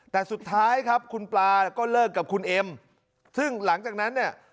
แต่สุดท้ายครับคุณปลาก็เลิกกับคุณเอ็มซึ่งหลังจากนั้นเนี่ย